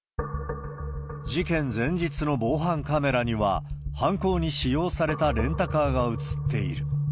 事件前日の防犯カメラには、犯行に使用されたレンタカーが映っている。